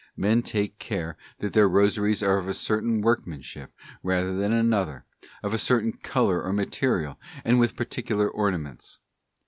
Men take care that their Rosaries are of a certain workmanship rather than another, of a certain colour or material, and with particular ornaments.